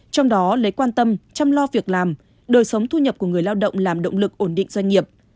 chăm lo việc làm đời sống thu nhập của người lao động làm động lực ổn định doanh nghiệp